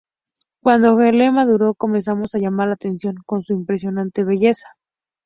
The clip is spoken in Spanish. Cuando Helen maduró, comenzó a llamar la atención con su impresionante belleza.